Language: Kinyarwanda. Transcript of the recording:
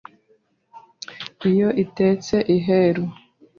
Iyo itetse iheru